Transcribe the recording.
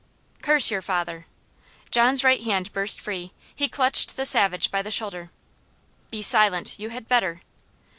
"Curse your father!" John's right hand burst free; he clutched the savage by the shoulder. "Be silent. You had better."